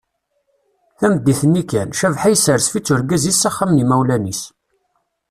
Tameddit-nni kan, Cabḥa isserzef-itt urgaz-is s axxam n yimawlan-is.